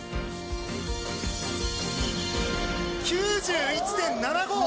９１．７５。